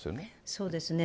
そうですね。